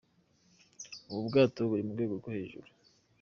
Ubu bwato buri mu rwego rwo hejuru.